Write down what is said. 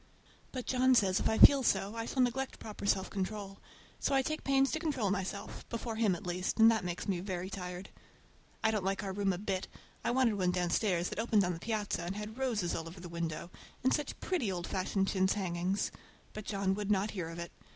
But John says if I feel so I shall neglect proper self control; so I take pains to control myself,—before him, at least,—and that makes me very tired. I don't like our room a bit. I wanted one downstairs that opened on the piazza and had roses all over the window, and such pretty old fashioned chintz hangings! but John would not hear of it.